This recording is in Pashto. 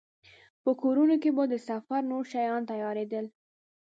په کورونو کې به د سفر نور شیان تيارېدل.